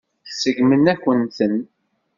Seggment-akent-ten.